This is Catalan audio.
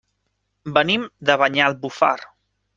Venim de Banyalbufar.